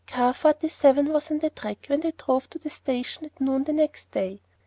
Car Forty seven was on the track when they drove to the station at noon next day.